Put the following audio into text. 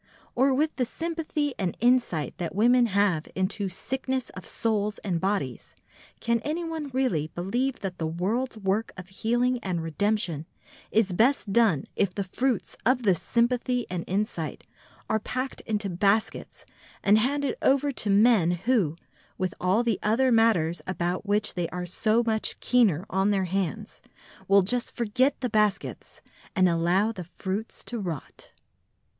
Or with the sympathy and insight that women have into sickness of souls and bodies, can anyone really believe that the world's work of healing and redemption is best done if the fruits of this sympathy and insight are packed into baskets and handed over to men who, with all the other matters about which they are so much keener on their hands, will just forget the baskets and allow the fruits to rot?